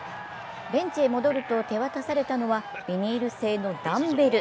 ベンチへ戻ると手渡されたのはビニール製のダンベル。